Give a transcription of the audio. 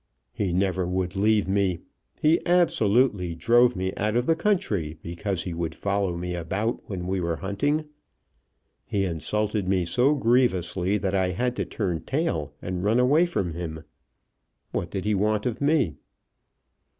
"He never would leave me. He absolutely drove me out of the country because he would follow me about when we were hunting. He insulted me so grievously that I had to turn tail and run away from him. What did he want of me?"